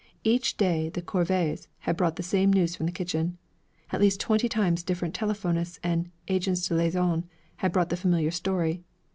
Each day the corvées had brought the same news from the kitchen. At least twenty times different telephonists and agents de liaison had brought the familiar story.